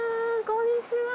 こんにちは。